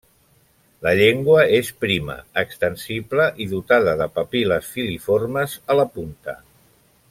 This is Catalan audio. La llengua és prima, extensible i dotada de papil·les filiformes a la punta.